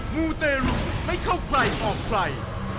หมูเตรุไม่เข้าใกล้ออกไฟ